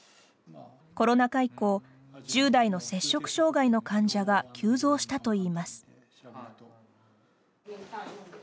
コロナ禍以降１０代の摂食障害の患者が急増したといいます。